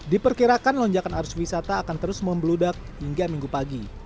diperkirakan lonjakan arus wisata akan terus membeludak hingga minggu pagi